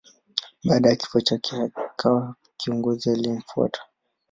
Baada ya kifo chake akawa kiongozi aliyemfuata.